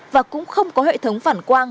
và cũng không có hệ thống giao thông